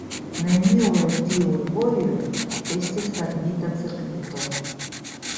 Neniu el tiuj vojoj estis fermita cirkvito.